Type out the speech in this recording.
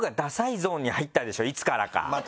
いつからか。